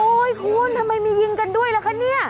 คุณทำไมมียิงกันด้วยล่ะคะเนี่ย